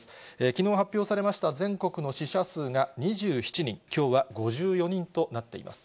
きのう発表されました全国の死者数が２７人、きょうは５４人となっています。